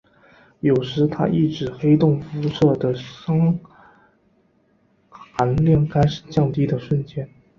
有时它亦指黑洞辐射的熵含量开始降低的瞬间。